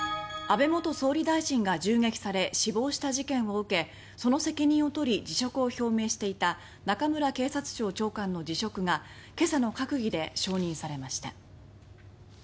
安倍元総理大臣が銃撃され死亡した事件を受けその責任を取り辞意を表明していた中村警察庁長官の辞職が今朝の閣議で承認されました。